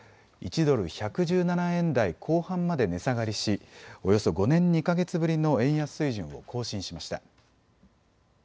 １ドル１１７円台後半まで値下がりし、およそ５年２か月ぶりの円安水準を更新しました。